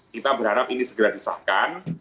kita berharap ini segera disahkan